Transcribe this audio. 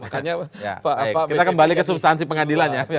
pak irfan kita kembali ke substansi pengadilan ya